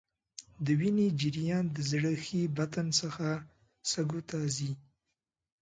د وینې جریان د زړه ښي بطن څخه سږو ته ځي.